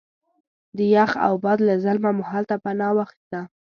د یخ او باد له ظلمه مو هلته پناه واخسته.